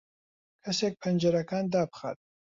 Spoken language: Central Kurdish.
کەسێک پەنجەرەکان دابخات.